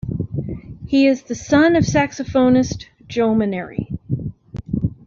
He is the son of the saxophonist Joe Maneri.